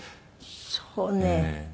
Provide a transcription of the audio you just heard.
そうね。